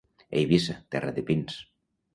Eivissa, terra de pins.